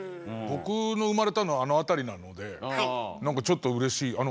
僕の生まれたのはあの辺りなので何かちょっとうれしい。